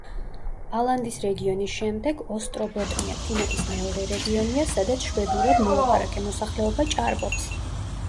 ალანდის რეგიონის შემდეგ, ოსტრობოტნია ფინეთის მეორე რეგიონია, სადაც შვედურად მოლაპარაკე მოსახლეობა ჭარბობს.